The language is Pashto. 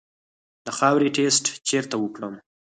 د خاورې ټسټ چیرته وکړم؟